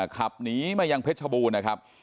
ขับหนีมายังเพชรกระบูลนะครับ